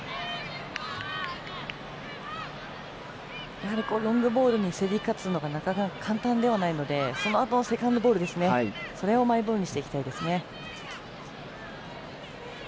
やはりロングボールに競り勝つのはなかなか簡単ではないのでそのあと、セカンドボールをマイボールにしていきたいですね。